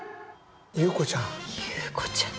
祐子ちゃん？